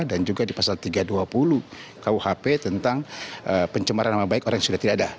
dan juga di pasal tiga ratus dua puluh kuhp tentang pencemaran nama baik orang yang sudah tidak ada